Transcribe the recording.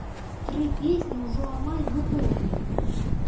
Тры песні ўжо амаль гатовыя.